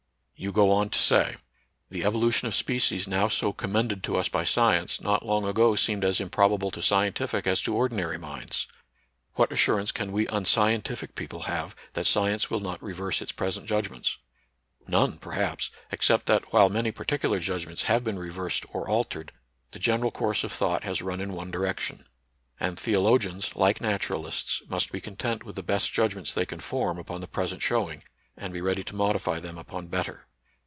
You go on to say : The evolution of species now so commended to us by science, not long ago seemed as improbable to scientific as to or dinary minds. What assurance can we unscien tific people have that science will not reverse its present judgments ? None, perhaps, except that, while many particular judgments have been reversed or altered, the general course of thought has run in one direction. And theolo gians, like naturalists, must be content with the best judgments they can form upon the present showing, and be ready to modify them upon better.